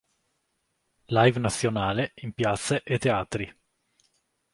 Live nazionale, in piazze e teatri.